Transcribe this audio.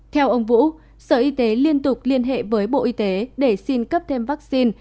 theo ông vũ sở y tế liên tục liên hệ với bộ y tế để xin cấp thêm vaccine